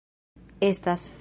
Estas...